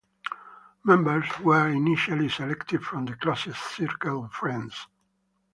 Members were initially selected from the closest circle of friends.